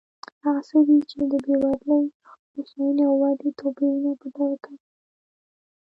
هغه څه دي چې د بېوزلۍ، هوساینې او ودې توپیرونه په ډاګه کوي.